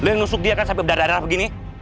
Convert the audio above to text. lo yang nusuk dia kan sampe berdarah darah begini